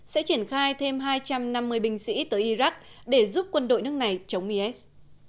sẽ triển khai thêm hai trăm năm mươi binh sĩ tới iraq để giúp quân đội nước này chống is